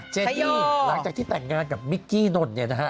เจนต์นี่หลังจากที่แต่งงานกับมิกกี้นนท์